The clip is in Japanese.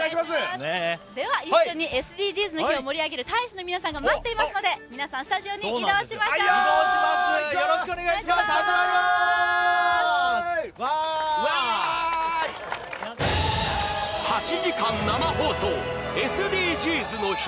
では一緒に、「ＳＤＧｓの日」を盛り上げる大使の皆さんが待っていますので、皆さん、スタジオに移動しましょう８時間生放送、「ＳＤＧｓの日」。